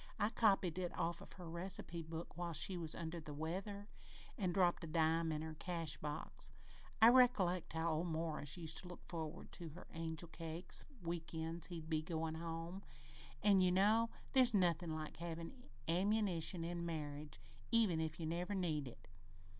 I copied it out of her reci pe book whilst she was under the weather, an' dropped a dime in her cash drawer. I recollect how old Morris used to look forward to her angel cakes week ends he'd be goin' home, an' you know there's nothin' like havin' ammunition, in marriage, even if you never need it.